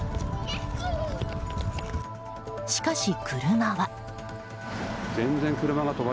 しかし、車は。